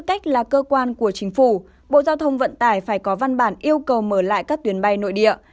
các cơ quan của chính phủ bộ giao thông vận tài phải có văn bản yêu cầu mở lại các tuyến bay nội địa